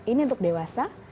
ini untuk dewasa